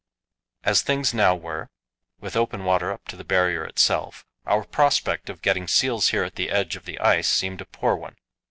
As things now were, with open water up to the Barrier itself, our prospect of getting seals here at the edge of the ice seemed a poor one.